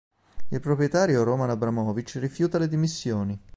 Il proprietario Roman Abramovič rifiuta le dimissioni.